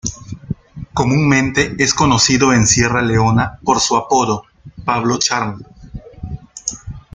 Comúnmente es conocido en Sierra Leona por su apodo Pablo Charm.